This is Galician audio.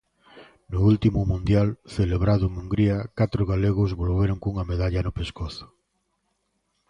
No último mundial, celebrado en Hungría, catro galegos volveron cunha medalla no pescozo.